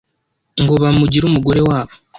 ngo bamugire umugore wabo